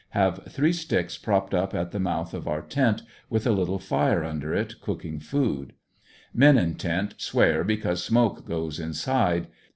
Have three sticks propped up at the mouth of our tent, with a little fire under it, cooking food. Men in tent swear because smoke goes inside.